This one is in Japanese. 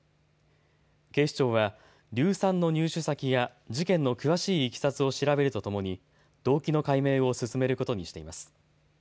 警視庁は硫酸の入手先や事件の詳しいいきさつを調べるとともに動機の解明を進めることにしています。